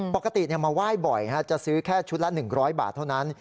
ปกติมาไหว้บ่อยจะซื้อแค่ชุดละ๑๐๐บาทเท่านั้น